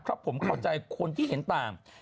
เพราะผมเข้าใจคนที่เห็นต่าง